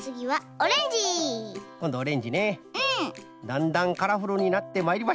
だんだんカラフルになってまいりました。